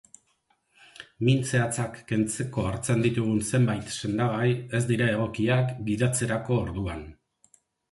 Min zehatzak kentzeko hartzen ditugun zenbait sendagai ez dira egokiak gidatzerako orduan.